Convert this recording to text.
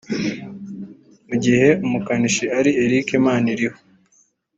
mu gihe umukanishi ari Eric Maniriho